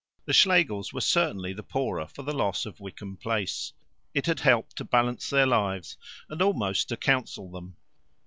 The Schlegels were certainly the poorer for the loss of Wickham Place. It had helped to balance their lives, and almost to counsel them.